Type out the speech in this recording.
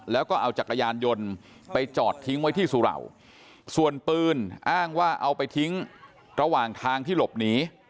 แล้วก็เอาจักรยานยนต์ไปจอดทิ้งไว้ที่สุเหล่าส่วนปืนอ้างว่าเอาไปทิ้งระหว่างทางที่หลบหนี